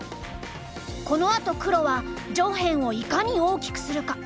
このあと黒は上辺をいかに大きくするか。